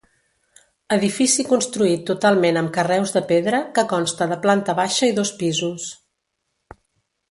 Edifici construït totalment amb carreus de pedra, que consta de planta baixa i dos pisos.